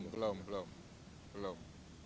belum belum belum